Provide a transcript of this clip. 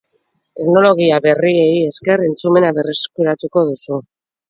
Teknologia berriei esker entzumena berreskuratuko duzu.